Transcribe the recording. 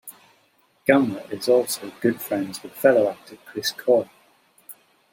Gallner is also good friends with fellow actor Chris Coy.